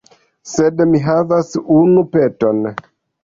Sed mi havas unu peton.